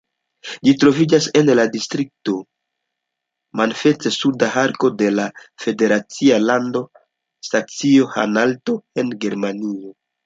Ĝi troviĝas en la distrikto Mansfeld-Suda Harco de la federacia lando Saksio-Anhalto en Germanio.